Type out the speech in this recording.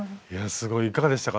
すごいいかがでしたか？